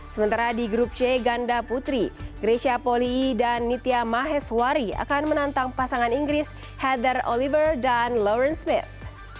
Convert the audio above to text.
sementara di grup c ganda putri grecia poli dan nitya maheswari akan menantang pasangan inggris heather oliver dan lawren smith